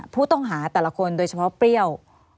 ผู้ต้องหาแต่ละคนโดยเฉพาะเปรี้ยว